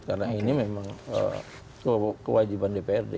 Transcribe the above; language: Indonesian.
karena ini memang kewajiban dprd